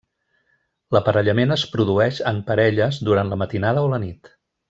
L'aparellament es produeix en parelles durant la matinada o la nit.